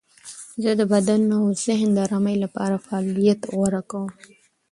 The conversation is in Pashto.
زه د بدن او ذهن د آرامۍ لپاره فعالیت غوره کوم.